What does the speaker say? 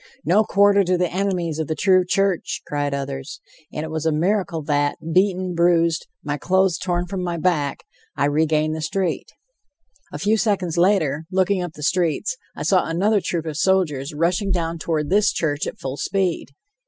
"No quarter to the enemies of the true church," cried others, and it was a miracle that, beaten, bruised, my clothes torn from my back, I regained the street. A few seconds later, looking up the streets, I saw another troop of soldiers, rushing down toward this church at full speed.